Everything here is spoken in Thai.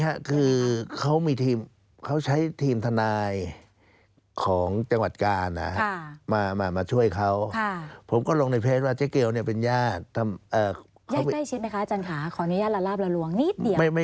แยกใกล้ชิดไหมคะอาจารย์คะขออนุญาตละลาบละลวงนิดเดียว